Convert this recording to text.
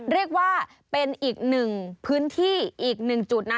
เรียกว่าเป็นอีกหนึ่งพื้นที่อีกหนึ่งจุดนะ